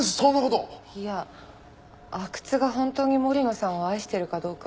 いや阿久津が本当に森野さんを愛してるかどうか。